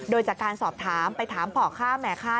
โดยจากการสอบถามไปถามพ่อค้าแม่ค้า